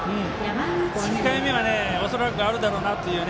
２回目は恐らくあるだろうなという。